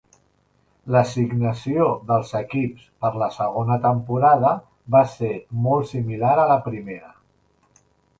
L'assignació dels equips per la segona temporada va ser molt similar a la primera.